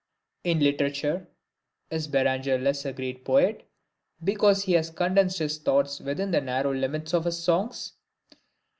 In literature, is Beranger less a great poet, because he has condensed his thoughts within the narrow limits of his songs?